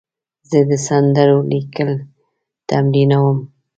زه د سندرو لیکل تمرینوم.